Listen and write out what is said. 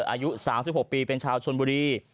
อายุ๓๖ปีเป็นชาวชนบุรี